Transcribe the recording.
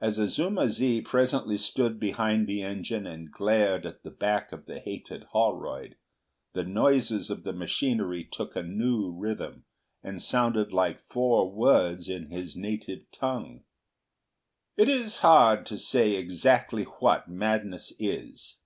As Azuma zi presently stood behind the engine and glared at the back of the hated Holroyd, the noises of the machinery took a new rhythm, and sounded like four words in his native tongue. It is hard to say exactly what madness is.